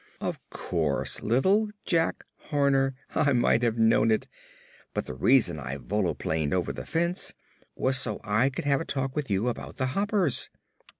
"Of course; Little Jack Horner; I might have known it. But the reason I volplaned over the fence was so I could have a talk with you about the Hoppers."